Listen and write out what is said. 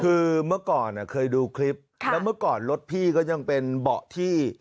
คือเมื่อก่อนเคยดูคลิปแล้วเมื่อก่อนรถพี่ก็ยังเป็นเบาะที่